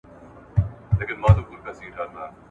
ایا د غوزانو خوړل د وینې غوړ کنټرولوي؟